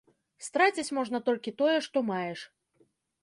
Страціць можна толькі тое, што маеш.